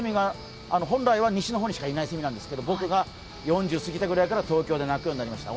本来は西の方にしかいないんですけど僕が４０過ぎたぐらいから東京でも鳴くようになりました。